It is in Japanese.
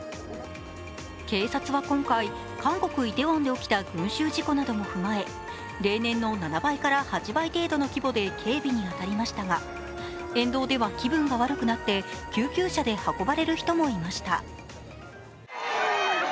警察は今回、韓国イテウォンで起きた群集事故なども踏まえ、例年の７倍から８倍程度の規模で警備に当たりましたが、沿道では気分が悪くなって救急車で運ばれる人もいました。